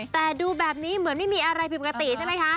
แต่ดูแบบนี้เหมือนไม่มีอะไรผิดปกติใช่ไหมคะ